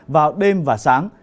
vào đêm và sáng